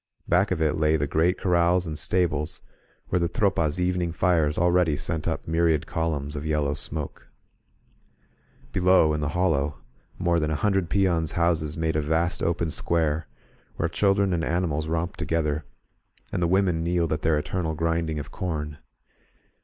Back of it lay the great corrals and stables, where the Tropa's even ing fires already sent up myriad columns of yellow smoke. Below, in the hollow, more than a hundred peons' houses made a vast open square, where chil SO THE GENERAL GOES TO WAR dren and animals romped together, and the women kneeled at their eternal grinding of corn.